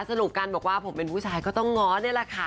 สรุปกันบอกว่าผมเป็นผู้ชายก็ต้องง้อนี่แหละค่ะ